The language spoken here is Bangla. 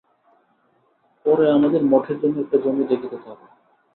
পরে আমাদের মঠের জন্য একটা জমি দেখিতে থাক।